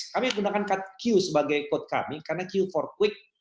kami gunakan q sebagai code kami karena q empat quick